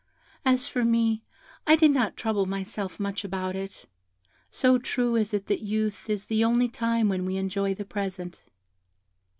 As for me, I did not trouble myself much about it, so true is it that youth is the only time when we enjoy the present.